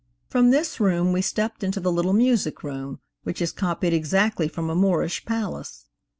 From this room we stepped into the little music room, which is copied exactly from a Moorish palace.